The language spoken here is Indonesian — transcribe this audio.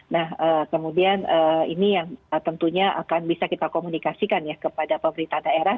nah kemudian ini yang tentunya akan bisa kita komunikasikan ya kepada pemerintah daerah